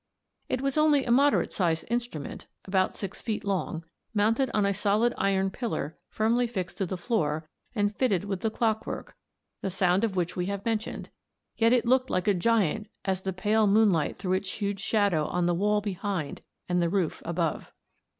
It was only a moderate sized instrument, about six feet long, mounted on a solid iron pillar firmly fixed to the floor and fitted with the clockwork, the sound of which we have mentioned; yet it looked like a giant as the pale moonlight threw its huge shadow on the wall behind and the roof above.